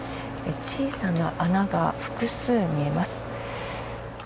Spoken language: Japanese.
小さな穴が複数見えます。